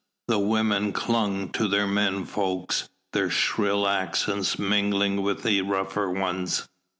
The women clung to their men folk, their shrill accents mingling with the rougher ones.